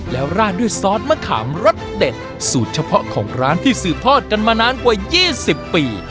แล้วราดด้วยซอสมะขามรสเด็ดสูตรเฉพาะของร้านที่สืบทอดกันมานานกว่า๒๐ปี